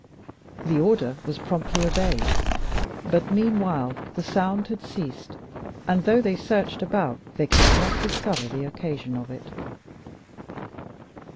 The order was promptly obeyed; but, meanwhile, the sound had ceased, and, though they searched about, they could not discover the occasion of it.